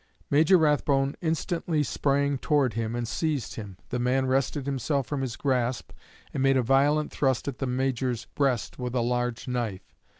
Major Rathbone instantly sprang toward him and seized him; the man wrested himself from his grasp, and made a violent thrust at the Major's breast with a large knife.